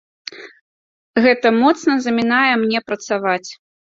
Гэта моцна замінае мне працаваць.